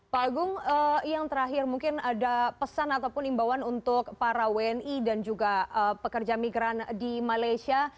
pak agung yang terakhir mungkin ada pesan ataupun imbauan untuk para wni dan juga pekerja migran di malaysia